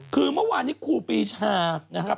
คือเมื่อวานที่ครูปีชา